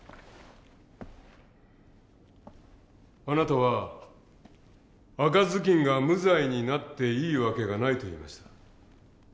あなたは赤ずきんが無罪になっていい訳がないと言いました。